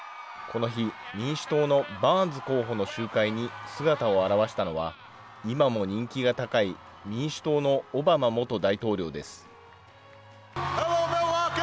この日、民主党のバーンズ候補の集会に姿を現したのは、今も人気が高い民主党のオバマ元大統領です。